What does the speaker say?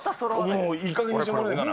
もういいかげんにしてもらえないかな。